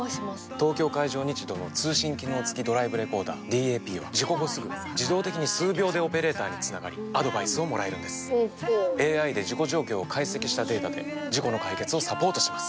東京海上日動の通信機能付きドライブレコーダーＤＡＰは事故後すぐ自動的に数秒でオペレーターにつながりアドバイスをもらえるんですＡＩで事故状況を解析したデータで事故の解決をサポートします